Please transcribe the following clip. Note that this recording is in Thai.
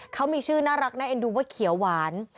เขามีชื่อน่ารักน่าเอ็นดูว่าเขียวหวาน